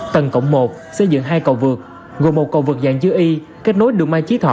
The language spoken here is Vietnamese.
tầng cộng một xây dựng hai cầu vượt gồm một cầu vượt dạng dưới y kết nối đường mai chí thọ